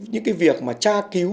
những cái việc mà tra cứu